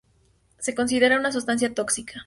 Se considera una sustancia tóxica.